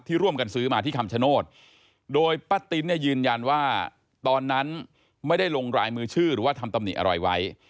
ร่วมกันซื้อมาที่คำชโนธโดยป้าติ๊นเนี่ยยืนยันว่าตอนนั้นไม่ได้ลงรายมือชื่อหรือว่าทำตำหนิอะไรไว้